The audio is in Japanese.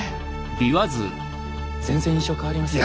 全然印象変わりますよね。